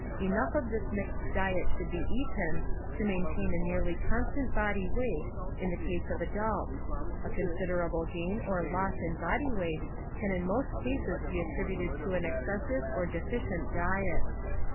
Enough of this mixed diet .should be eaten to maintain a nearly constant body weight in the case of adults ; a considerable gain or loss in body weight can in most cases be attributed to an ex cessive or deficient diet.